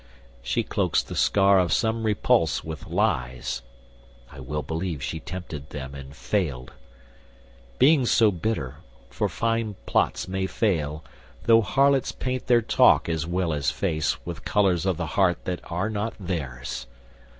She cloaks the scar of some repulse with lies; I well believe she tempted them and failed, Being so bitter: for fine plots may fail, Though harlots paint their talk as well as face With colours of the heart that are not theirs.